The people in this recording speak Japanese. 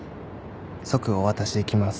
「即お渡しできます」